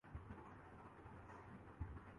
رکھنے کا اعلان کیا تھا